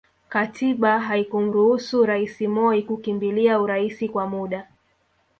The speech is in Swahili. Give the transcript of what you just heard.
Katiba haikumruhusu Rais Moi kukimbilia urais kwa muda